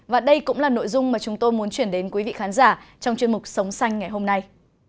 và đây cũng là nội dung mà chúng tôi muốn chuyển đến quý vị khán giả trong chuyên mục sống xanh ngày hôm nay